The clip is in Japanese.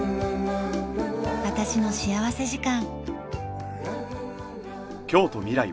『私の幸福時間』。